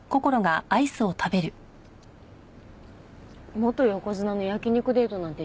元横綱の焼き肉デートなんて